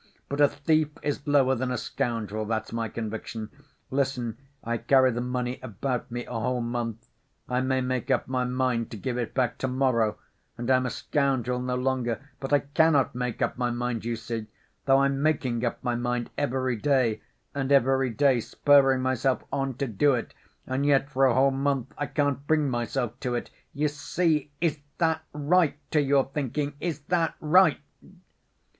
but a thief is lower than a scoundrel, that's my conviction. Listen, I carry the money about me a whole month, I may make up my mind to give it back to‐morrow, and I'm a scoundrel no longer, but I cannot make up my mind, you see, though I'm making up my mind every day, and every day spurring myself on to do it, and yet for a whole month I can't bring myself to it, you see. Is that right to your thinking, is that right?"